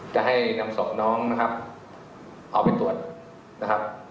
จะให้นำศพน้องนะครับเอาไปตรวจนะครับ